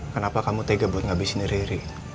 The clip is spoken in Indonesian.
kenapa kamu tega buat ngabisin riri